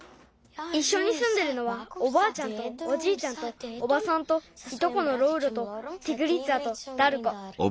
いっしょにすんでるのはおばあちゃんとおじいちゃんとおばさんといとこのロウロとティグリツァとダルコ。